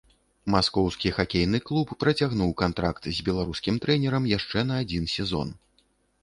Маскоўскі хакейны клуб працягнуў кантракт з беларускім трэнерам яшчэ на адзін сезон.